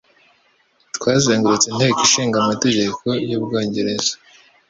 Twazengurutse Inteko ishinga amategeko y'Ubwongereza.